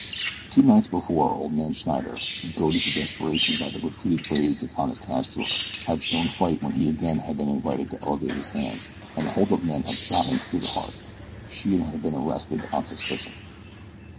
Two nights before old man Schneider, goaded to desperation by the repeated raids upon his cash drawer, had shown fight when he again had been invited to elevate his hands, and the holdup men had shot him through the heart. Sheehan had been arrested on suspicion.